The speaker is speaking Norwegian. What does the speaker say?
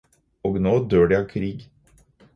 Og nå dør de av krig.